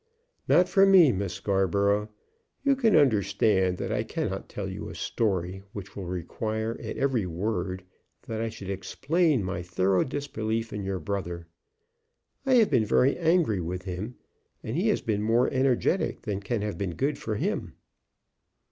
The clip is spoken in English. "Not from me, Miss Scarborough. You can understand, that I cannot tell you a story which will require at every word that I should explain my thorough disbelief in your brother. I have been very angry with him, and he has been more energetic than can have been good for him."